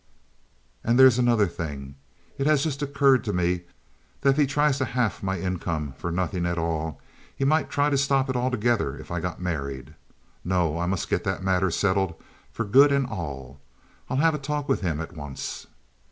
"And there's another thing. It has just occurred to me that if he tries to halve my income for nothing at all, he might try to stop it altogether if I got married. No; I must get that matter settled for good and all. I'll have that talk with him at once."